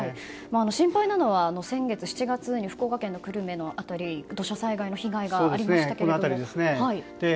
心配なのは、先月７月に福岡県の久留米の辺りで土砂災害の被害がありましたけども。